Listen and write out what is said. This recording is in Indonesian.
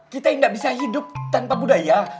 kita yang gak bisa hidup tanpa budaya